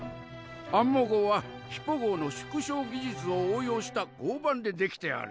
アンモ号はヒポ号の縮小技術を応用した合板で出来ておる。